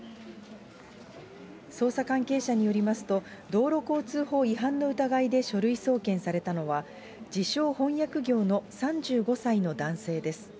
捜査関係者によりますと、道路交通法違反の疑いで書類送検されたのは、自称、翻訳業の３５歳の男性です。